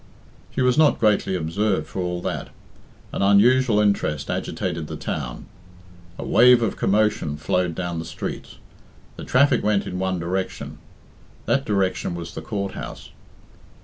She was not greatly observed for all that. An unusual interest agitated the town. A wave of commotion flowed down the streets. The traffic went in one direction. That direction was the Court house.